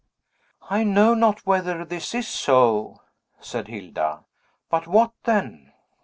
"I know not whether this is so," said Hilda. "But what then?"